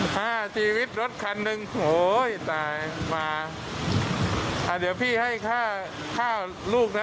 ห้าชีวิตรถคันหนึ่งโอ้ยตายมาอ่าเดี๋ยวพี่ให้ข้าวลูกน่ะ